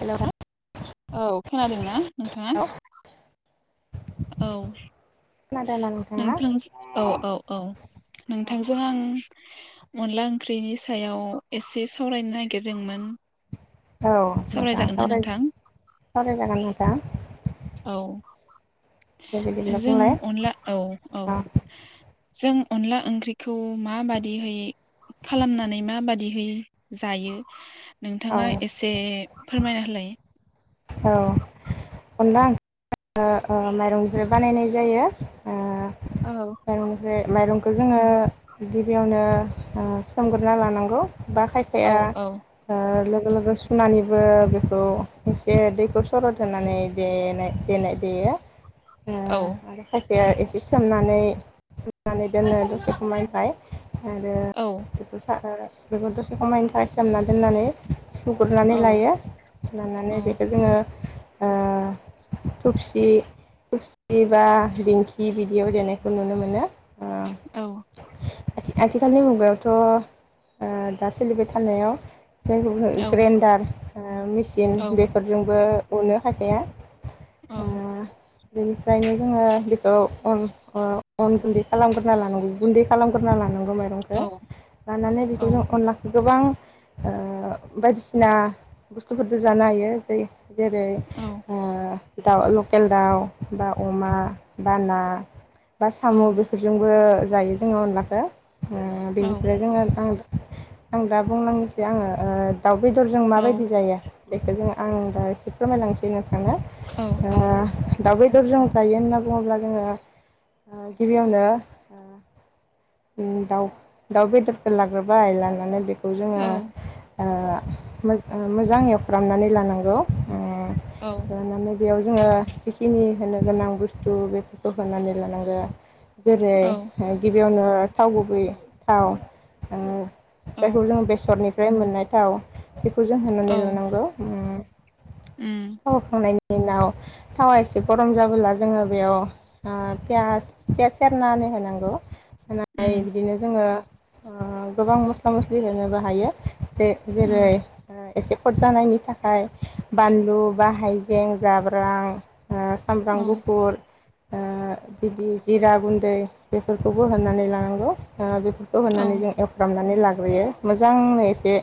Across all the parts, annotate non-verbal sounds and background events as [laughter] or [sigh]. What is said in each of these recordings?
Hello औ खोनादोंना नोंथाङा औ खोनादोंना नोंथाङा? नोंथां औ औ औ औ नोंथांजों आं अनला ओंख्रिनि सायाव एसे सावरायनो नागिरदोंमोन। औ नोंथां सावरायजागोन ना नोंथां? सावरायजागोन नोंथां। औ दे बिदिब्ला जों बुंलाय अनला औ औ। जों अनला ओंख्रिखौ माबादिहै खालामनानै माबादिहै जायो? औ नोंथाङा एसे फोरमायना होलाय। औ अनला ओंख्रिआ माइरंनिफ्राय बानायनाय जायो। औ माइरंनिफ्राय माइरं खौ जोङो गिबियावनो सोमग्रोना लानांगौ। बा औ खायफाया औ लोगो लोगो सुनानैबो बेखौ। जे दैखौ सरद होनानै देनाय देयो। ओ औ। आरो खायफाया एसे सोमनानै, सुनानै दोनो दसे खमायहाय। आरो औ बेखौ साब बेखौ दसे समनि थाखाय सोमना दोननानै सुगुरनानै औ लायो औ सुनानै बे अ थबसि -थफसि बा दिंखि बिदियाव देनायखौ नुनो मोनो अ औ। आथिखालनि मुगायावथ' दा सोलिबाय थानायाव जाय औ ग्रेन्डार मेचिन औ बे फोरफोरजोंबो उननो हाखाया औ। बेनिफ्रायनो जोङो बेखौ अन -अन गुन्दै खालामग्रोना लानांगौ गुन्दै खालामग्रोना लानांगौ औ मायरंखौ लानानै बेखौ जों अनला गोबां अ बायदिसिना बुस्थुफोरजों जानो हायो। दै जेरै दाउ, लकेल दाउ, बा अमा, बा ना बा औ साम' बेफोरजोंबो जायो जोङो अनलाखौ। अ औ बेनिफ्राय जोङो आं आं दा बुंनांगौसे आङो दाउ बेदरजों औ माबायदि जायो? बेखौ जों आं दा एसे फोरमायलांसैनो औ -औ। बेदरजों जायो होनना बुङोब्ला जोङो ओ गिबियावनो ओ दउ दाउ बेदरफोर लाग्रोबाय लानानै बेखौ खौ जोङो औ अ मो-मोजांयै एवख्रामनानै लाना गौ अ औ ऐवनानै बेयाव जोङो जिखिनि होनो गोनां बुस्थु बेफोरखौ होनानै लानांगो। जेरै औ गिबियावनो थाव गुबै थाव ओ औ जायखौ जोङो बेसरनि ओमफ्राय मोननाय थाव बेखौ जों औ होनानै लानांगौ अम उम औ औ। नायनि उनाव थावा एसे गरम जाबोला जोङो बेयाव ओ पियास पियास सेरनानै होनांगौ उम होनाय बिदिनो जोङो ओ गोबां मस्ला मस्लि होनोबो हायो जे-जेरै उम एसे खड जानायनि थाखाय बानलु बा हायजें जाब्रां ओ औ सामब्राम गुफुर ओ बिदि जिरा गुन्दै बेफोरखौबो होनानै लानांगौ आं बेब खौ औ होनानै जों एवफ्रामनानै लान बैयो मोजाङै एसे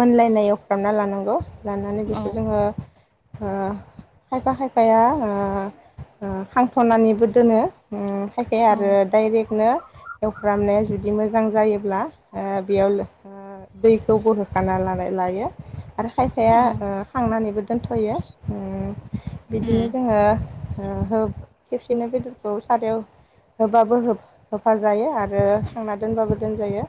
मोनलायनाय एवफ्रामना लानांगौ लानानै औ जोङो ओ खायफा खायफाया ओ खांथ'नानैबो दोनो ओ खायफाया औ आरो डाइरेक्टनो एवफ्रामनाया जुदि बि मोजां जायोब्ला ओ बेयाव ओ दैखौबो होखाना लानाय लायो आरो खायफाया ओ खांनानैबो दोनथ'यो बिदिनो उम जोङो ओ होब खेबसेनो बेदरखौ सारायाव होबाबो होब होफाजायो आरो खांना दोनबाबो दोनजायो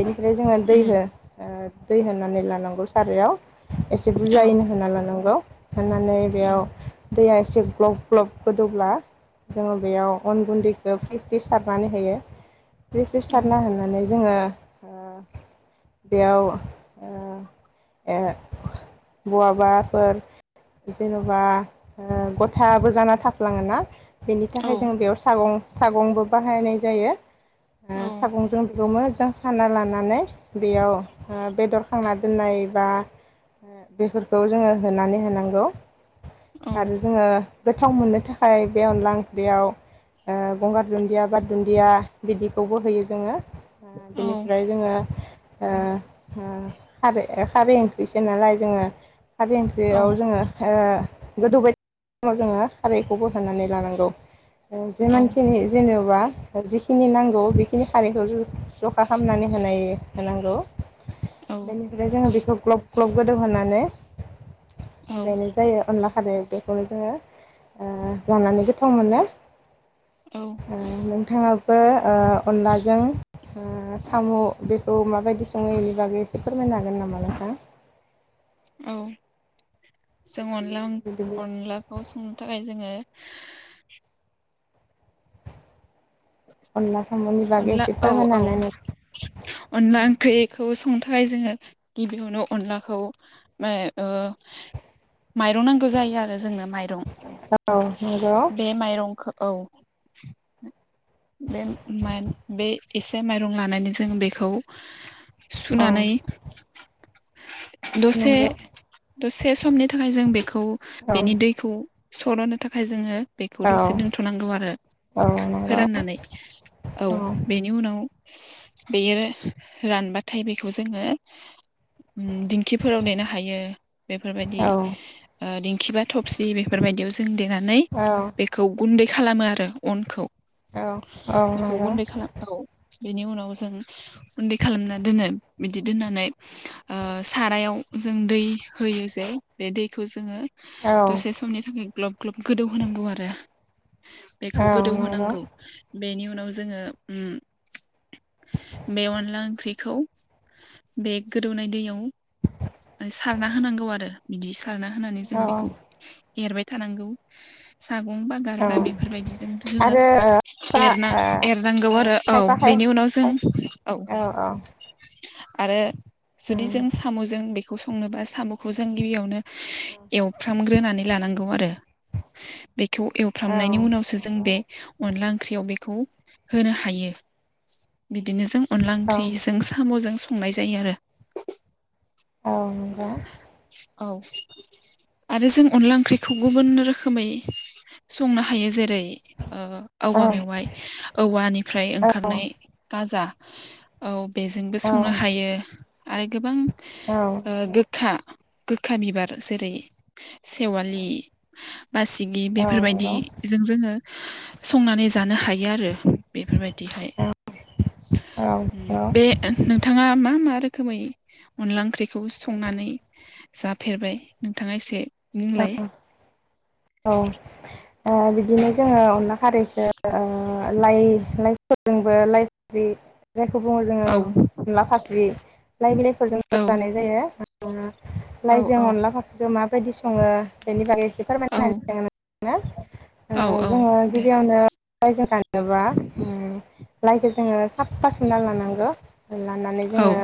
बेनिफ्राय जोङो उम दैहो ओ दै होनानै लानांगौ सारायाव एसे औ बुरजायैनो खानांगौ होखानानै औ बेयाव दैया एसे ग्लब ग्लब गोदौब्ला जोङो बेयाव अन गुन्दैखौ फ्रि फ्रि सारनानै होयो। फ्रि-फ्रि औ सारना होनानै। जोङो ओ बेयाव ओ ओ। बहाबाफोर जेन'बा ओ गथाबो जाना थाफ्लाङो ना। बेनि औ थाखाय जों बेयाव सागं सागंबो बाहायनाय जायो। ओ औ सागंजों बिखौ मोज जों साना लानानै बेयाव ओ बेदर खांना दोननायबा। बेफोरखौ जोङो होनानै होनांगौ आरो जोङो। गोथाव मोननो थाखाय बे अनला ओंख्रियाव ओ गंगार दुन्दिया बा दुन्दिया दुन्दिया बिदिखौबो होयो जोङो ओ बिनिफ्राय जोङो ओ खार खारै ओंख्रैसो नालाय जोङो आरो औ ओंख्रियाव जोङो गोदौबायाय थानाय समाव जोङो खारैखौ बो होनानै लानांगौ जिमान खिनि [unintelligible] सोरा जिखिनि नांगौ बेखिनि खारैखौ जखा खालामनानै होनाय होनांगौ बेनिफ्राय जोङो बेखौ ग्लब ग्लब गोदौ। होनानै। ओफ्रायनो जायो अनला बेखौनो जोङो जानानै गोथाव मोनो। ओ। नोंथाङाबो अनलाजों साम बेखौ माबायदि सङोनिबागै एसे फोरमायनो हागोन नामा नोंथां। औ। जों अनला बिदिब्ला अनलाखौ संनो थाखाय जोङो। अनला सोंनायनि बागै अनला एसे औ औ फोरमायनाय अनला ओंख्रिखौ संनो थाखाय जोङो गिबियावनो अनलाखौ मे ओ। माइरं नांगौ जायो आरो जोंनो माइरं औ नंगौ बे माइरंखौ औ बे बे एसे माइरं लानानै जोङो बेखौ खौ औ सुनानै दसे नंगौ दसे समनि थाखाय जों बेखौ औ बेनि दैखौ सरनो थाखाय जोङो बेखौ दसे औ दोनथनांगौ आरो औ नंगौ फोराननानै औ बेनि उनाव बेयो रानबाथाय बेखौ जोङो दिंखिफोराव देनो हायो बेफोरबायदि औ ओ दिंखि बा थबसि बेफोरबाय बेयाव जों देना नानै औ बेखौ गुन्दै खालामो आरो अनखौ औ बेखौ नंगौ गुन्दै खालाम औ बेनि उनाव जों गुन्दै खालामना दोनो बिदि दोननानै ओ सारायाव जों दै होयो जे बे दैखौ जोङो औ दसे समनि थाखाय ग्लब ग्लब गोदौ होनांगौ आरो। बेखौ औ गोदौ नंगौ होनांगौ बेनि उनाव जोङो उम बे अनला ओंख्रिखौ बे गोदौनाय दैयाव सारना होनांगौ आरो बिदिसो सारना होनानै औ जों बेखौ एरबाय थानांगौ सागं बा औ गारबा बेफोरबायदिजों जोङो आरो ओ फा एरना ओ एरनांगौ आरो औ खायफा खाय बेनि उनाव औ जों औ औ आरो जुदि जों साम'जों बे खौ संनोबा साम'खौ जों गिबियावनो एवफ्रामग्रोनानै लानांगौ आरो बेखौ औ एवफ्रामनायनि उनावसो जों नंगौ बे अनला ओंख्रियाव बेखौ होनो हायो बिदिनो जों अनदला औ ओंख्रिजों साम'जों सं नाय जायो आरो अ नंगौ औ आरो जों अनला ओंख्रिखौ गुबुन रोखोमै संनो हायो जेरै [inaudible] औ औवा मेवाइ, औवानिफ्राय ओंखारनाय गाजा। औ। बेजोंबो औ संनो हायो आरो गोबां नंगौ औ ओ नंगौ गोखा गोखा बिबार जेरै सेवालि बासिगि औ नंगौ बेफोरबायदिजों जोङो संनानै जानो हा यो आरो बेफोरबायदिहाय। ओम औ बे नोंथाङा मा मा रो खोमै अनला ओंख्रिखौ संनानै जाफेरबाय नोंथाङा एसे नोंलाय ओ बिदिनो जोङो अनला खारैखो ओ लाइ लाइफोरजोंबो लाइ ओंख्रि जायखौ बुङो जोङो औ अनला फाख्रि लाइ बिलाइफोरजोंबो औ जानाय जायो। [inaudible] औ लाइजों औ अनला फाख्रि मा बादि स सङो बेनि बागै औ फोरमायना [inaudible] ओ औ औ जोङो दे गिबियावनो [unintelligible] जेनबा उम लाइखौ जोङो साफा सोमना लानांगौ लानानै औ जोङो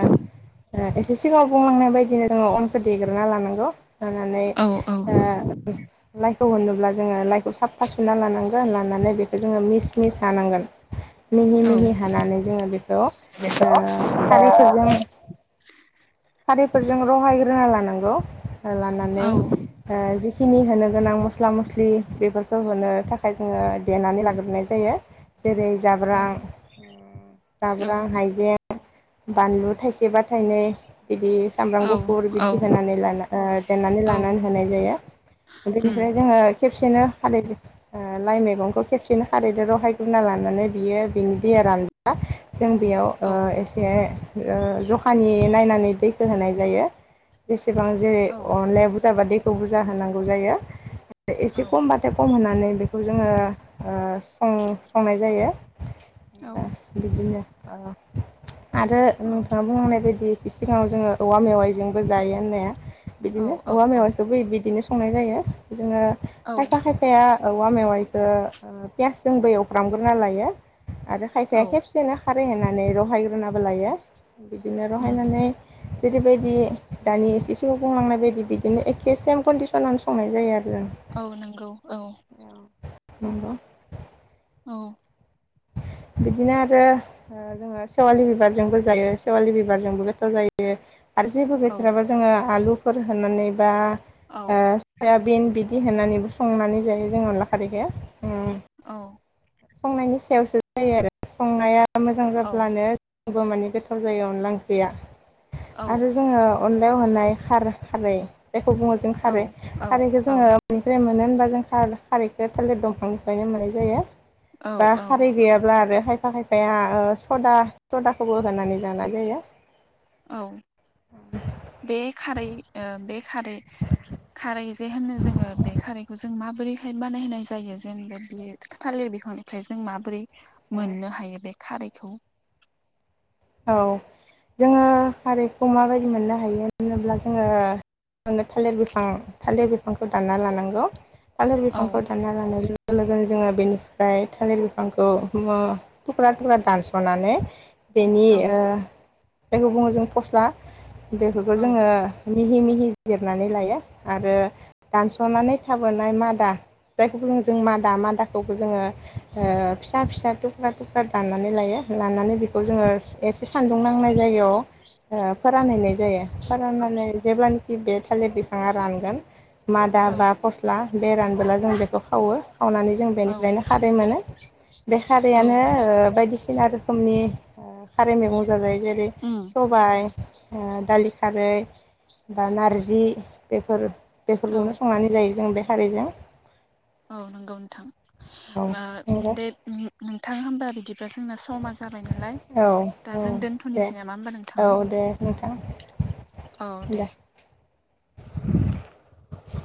एसे सिगाङाव बुंलांनाय बायदिनो जोङो अनखौ देग्रोना लानांगौ लानानै औ औ ओ लाइ खौ होनोब्ला जोङो लाइखौ साफा सुना लानांगोन लानानै बेखौ जोङो मिस मिस हानांगोन। मिहि औ मिहि हानानै जोङो बेखौ ओ खारैफोरजों खारैफोरजों रहाय होना लानांगौ। औ लानानै आ जि खिनि होनो गोनां मस्ला मस्लि बेफोरखौ होनो थाखाय जोङो देनानै लाग्रोनाय जायो। जेरै जाब्रां उम औ जाब्रां हाइजें। बानलु थाइसेबा थाइनै। बिदि सामब्राम गुफुर औ बिदि होनानै ला देनानै औ लानानै होनाय जायो उम बेनिफ्राय जोङो खेबसेनो खारैदो लाइ मैगंखौ खेबसेनो खारैदो रावहाय गुरना लानानै बियो बिनि दैया रानबा जों बेयाव ओ औ एसे से ओ जखानि नायनानै दैखौ होनाय जायो। एसेबां जेरै औ अनलाया जाबा दैखौ बुरजा होनांगौ जायो। औ एसे खमबाथाय खम होनानै बेखौ जोङो ओ सं-संनाय जायो। औ बिदिनो। आ। आरो औ नोंथाङा बुंनाय बायदि सिगाङाव जोङो औवा मेवाइजोंबो जायो होननाया। औ बिदिनो औवा औ मेवायखोबो [unintelligible] संनाय जायो। जोङो औ खायफा खायफाया औवा मेवाइखौ ओ पियासजोंबो एवफ्रामग्रोना लायो। आरो खायफाया औ खेबसेनो खारै होनानै रहायग्रोना बो लायो। बिदिनो उम रहायनानै जेरैबायदि दानि इसे सिगाङाव बुंलांनाय बायदि बिदिनो एखे सेम कन्दिसनावनो संनाय जायो आरो। जों औ नोंगौ औ। नंगौ। औ। बिदिनो आरो ओ जोङो सेवालि बिबारजोंबो जायो सेवालि बिबारजोंबो गोथाव जायो। आरो जेबो औ गैथ्राबा जोङो आलु फोर होनानै बा औ ओ सयाबिन बि होनानैबो संनानै जायो जों अनला खारैखो उम। औ। संनायनि सायावसो जायो आरो संनाया मोजां जाब्लानो [unintelligible] माने गोथाव जायो अनला ओंख्रिया। औ आरो जोङो अनलायाव होनाय खार खारै जायखौ बुङो जों खारै औ खारैखो जोङो औ मनिफ्राय मोनो बा जों खार-खारैखो थालिर दंफांनिफ्रायनो मोननाय जायो। औ बा औ खारै गैयाब्ला आरो खायफा खायफा फाया ओ सदा सदाखौबो होनानै जाना जायो। औ बे खारै ओ बे खारै खारै जे होनो जोङो बे खारैखो जों माबोरैहाय बानायहाय जायो जेनेबा बे थालिर बिफांनिफ्राय जों माबोरै मोननो हायो बे खारैखौ औ जोङो खारैखौ माबायदि मोननो हायो होनोब्ला जोङोनो थालिर बिफां थालिर बिफांखौ दानना लानांगौ थालार औ बिफांखौ दानना लानायनि लोगो लोगोनो जोङो बेनिफ्राय थालिर बिफांखौ मुवा थुख्रा थुख्रा दानस'नानै बेनि औ ओ जायखौ बुङो जों फस्ला बेफोरखो औ जोङो मिहि मिहि जिरनानै लायो आरो दानस'नानै थाबोनाय मादा जायखौ बुंङो जों मादा मादाखौबो जोङो ओ फिसा फिसा थुख्रा थुख्रा दाननानै लायो लानानै बे खौ जोङो एसे सान्दुं नांनाय जायगायाव ओ फोरानहैनाय जायो फोराननानै जेब्लानि दि बे थालिर बिफाङा रानगोन मादा बा औ फस्ला बेरानबोला जों बेखौ खावो। खावनानै जों औ बेनिफ्रायनो खारै मोनो बे औ खारैयानो ओ बायदिसि सिना रोखोमनि ओ खारै मैगं जाजायो। जेरै उम सबाय। ओ दालि खारै बा नारजि बेफोर औ बेफोरखौनो संनानै जायो। जों बे खारिजों औ नोंगौ नोंथां ओ नंगौ दे नोंथां होमबा बिदिब्ला जोंना समा जाबाय नालाय औ दा औ जों दे दोनथनोसै नामा होमबा नोंथां औ दे नोंथां औ दे। [inaudible]